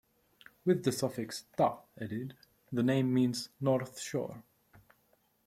With the suffix "ta" added, the name means "North Shore.